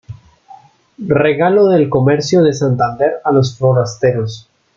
Regalo del comercio de Santander a los forasteros.